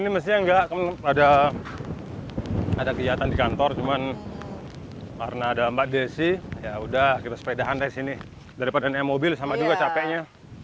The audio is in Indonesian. ternyata enggak ada kegiatan di kantor cuman karena ada mbak desi yaudah kita sepeda hantar sini daripada naik mobil sama juga capeknya